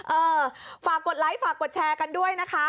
เออฝากกดไลค์ฝากกดแชร์กันด้วยนะคะ